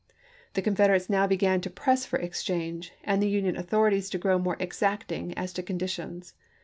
The Confederates now began to press for exchange, and the Union authorities to grow more exacting as to conditions.